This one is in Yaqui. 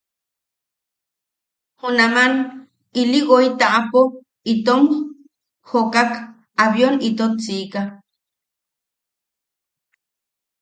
Junaman ili woi taʼapo itom jokak abion itot sika.